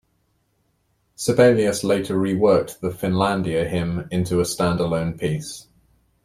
Sibelius later reworked the "Finlandia Hymn" into a stand-alone piece.